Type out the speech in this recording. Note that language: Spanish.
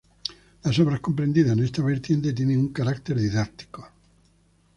Las obras comprendidas en esta vertiente, tienen un carácter didáctico.